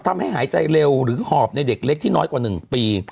ทำให้หายใจเร็วหรือหอบในเด็กเล็กที่น้อยกว่า๑ปี